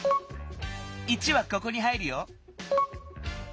１はここに入るよ。